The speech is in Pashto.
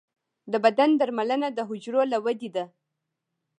د بدن درملنه د حجرو له ودې ده.